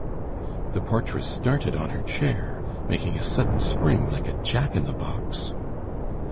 The portress started on her chair, making a sudden spring like a jack in the box.